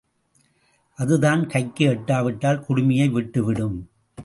அது தன் கைக்கு எட்டாவிட்டால் குடுமியை விட்டுவிடும்.